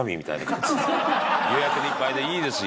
予約でいっぱいでいいですよ！